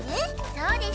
そうです。